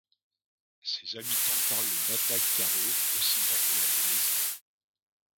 Ses habitants parlent le Batak karo aussi bien que l'Indonésien.